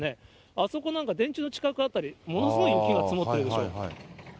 あそこなんか電柱の近く辺り、ものすごい雪が積もってるでしょ。